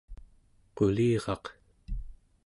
quliraq¹